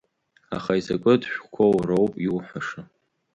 Аха изакәытә шәҟәқәоу роуп иуҳәаша.